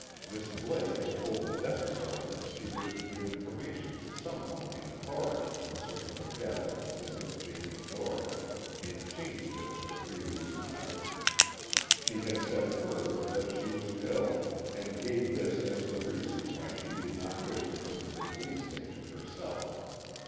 Miss Blake had told the desk sergeant she wished to give information to someone in authority concerning the death of a Mrs. James Doherty in Shanesville the previous night. She had said further that she was ill, and gave this as the reason why she did not wish to come to the police station herself.